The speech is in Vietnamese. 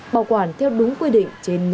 bảo quản theo đúng quy định trên nhà